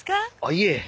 いえ。